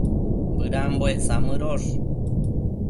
Bëdambuec samëdosh